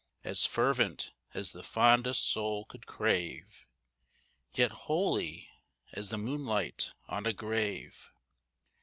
As fervent as the fondest soul could crave, Yet holy as the moonlight on a grave.